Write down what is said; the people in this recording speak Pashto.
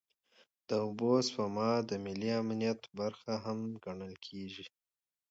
د اوبو سپما د ملي امنیت برخه هم ګڼل کېږي.